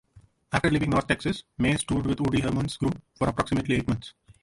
After leaving North Texas, Mays toured with Woody Herman's group for approximately eight months.